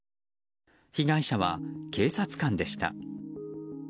被害者は警察官でした。